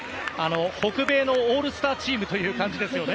北米のオールスターチームという感じですね。